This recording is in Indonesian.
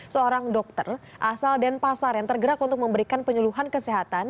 seorang dokter asal dan pasar yang tergerak untuk memberikan penyeluhan kesehatan